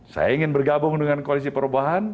saya ingin bergabung dengan koalisi perubahan